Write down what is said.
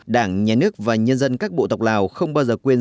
đảng nhà nước và nhân dân các bộ tộc lào không bao giờ quên